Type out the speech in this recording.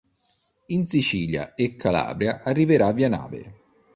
In Sicilia e Calabria arriverà via nave.